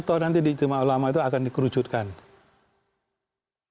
otoritas nanti di itimak ulama itu akan dikerucutkan